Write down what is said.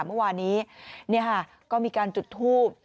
เมื่อวานี้เนี่ยค่ะก็มีการจุดทูป